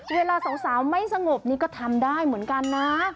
เวลาสาวไม่สงบนี่ก็ทำได้เหมือนกันนะ